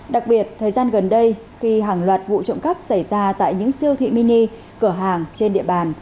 đặc biệt thời gian gần đây khi hàng loạt vụ trộm cắp xảy ra tại những siêu thị mini cửa hàng trên địa bàn